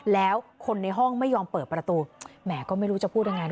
แล้วคนในห้องไม่ยอมเปิดประตูแหมก็ไม่รู้จะพูดยังไง